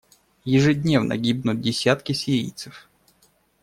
Ежедневно гибнут десятки сирийцев.